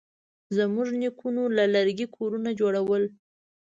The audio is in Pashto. زموږ نیکونه له لرګي کورونه جوړول.